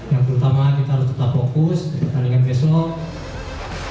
yang pertama kita harus tetap fokus di pertandingan besok